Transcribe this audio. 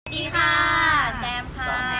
สวัสดีค่ะแซมค่ะ